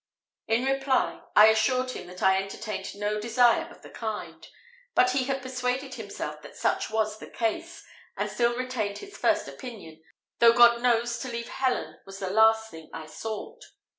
In reply, I assured him that I entertained no desire of the kind; but he had persuaded himself that such was the case, and still retained his first opinion, though God knows to leave Helen was the last thing I sought.